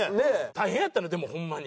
大変やったのでもホンマに。